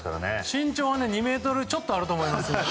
身長は２ｍちょっとあると思います。